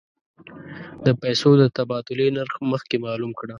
د پیسو د تبادلې نرخ مخکې معلوم کړه.